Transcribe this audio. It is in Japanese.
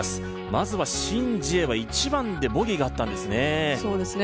まずはシン・ジエは、１番でボギーがあったんですね。